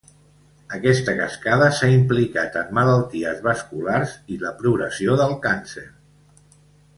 Aquesta cascada s'ha implicat en malalties vasculars i la progressió del càncer.